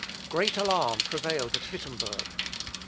Great alarm prevailed at Wittemberg.